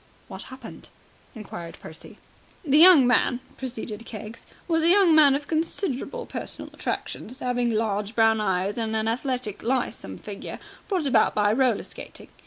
"What happened?" inquired Percy. "The young man," proceeded Keggs, "was a young man of considerable personal attractions, 'aving large brown eyes and a athletic lissome figure, brought about by roller skating.